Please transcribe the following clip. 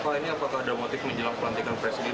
pak ini apakah ada motif menjelang pelantikan presiden